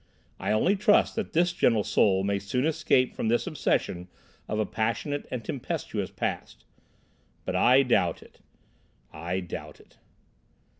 I only trust that this gentle soul may soon escape from this obsession of a passionate and tempestuous past. But I doubt it, I doubt it."